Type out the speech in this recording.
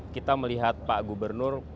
kita melihat pak gubernur